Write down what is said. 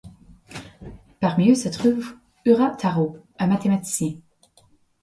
Parmi eux se trouve Ura Taro, un mathématicien.